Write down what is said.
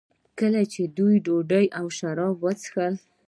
کله چې دوی ډوډۍ او شراب وڅښل.